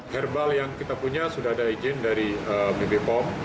herbal yang kita punya sudah ada izin dari bp pom